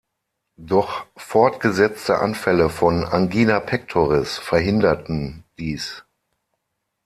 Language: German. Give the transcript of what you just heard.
Doch fortgesetzte Anfälle von Angina pectoris verhinderten dies.